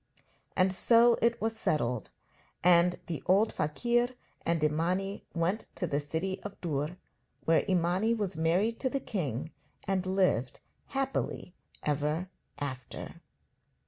And so it was settled, and the old fakir and Imani went to the city of Dûr, where Imani was married to the king and lived happily ever after.